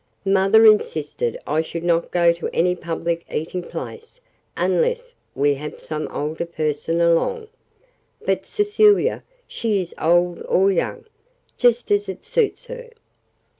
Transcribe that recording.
Mother insisted I should not go to any public eating place unless we have some older person along. But Cecilia she is old or young, just as it suits her."